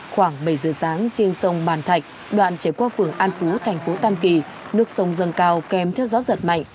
khoảng bảy giờ sáng trên sông màn thạch đoạn chảy qua phường an phú thành phố tam kỳ nước sông dâng cao kèm theo gió giật mạnh